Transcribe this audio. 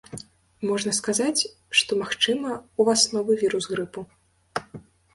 Можна сказаць, што, магчыма, ў вас новы вірус грыпу.